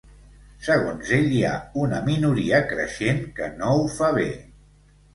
Segons ell, hi ha una “minoria creixent que no ho fa bé”.